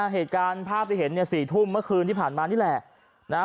เหตุการณ์ภาพที่เห็นเนี่ย๔ทุ่มเมื่อคืนที่ผ่านมานี่แหละ